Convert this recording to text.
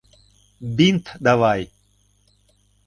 Бинт давай.